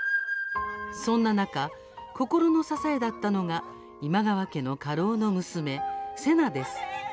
そんな中、心の支えだったのが今川家の家老の娘、瀬名です。